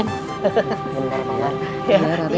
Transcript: bener pak man